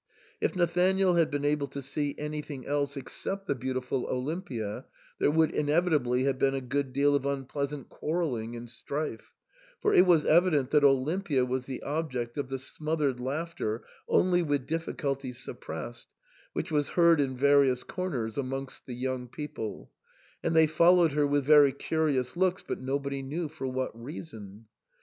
If Nathanael had been able to see an3rthing else except the beautiful Olimpia, there would inevitably have been a good deal of unpleasant quarrelling and strife ; for it was evident that Olimpia was the object of the smothered laughter only with difficulty suppressed, which was heard in various comers amongst the young people ; and they followed her with very curious looks, but nobody knew for what reason.